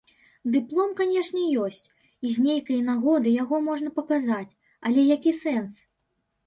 Дыплом, канешне, ёсць, і з нейкай нагоды яго можна паказаць, але які сэнс?